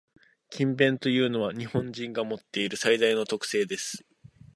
「勤勉」というのは、日本人が持っている最大の特性です。